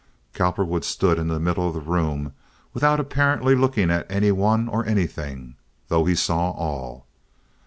Cowperwood stood in the middle of the room without apparently looking at any one or anything, though he saw all.